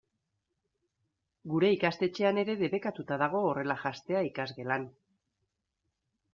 Gure ikastetxean ere debekatuta dago horrela janztea ikasgelan.